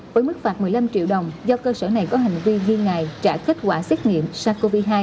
với mức phạt một mươi năm triệu đồng do cơ sở này có hành vi ghi ngài trả kết quả xét nghiệm sars cov hai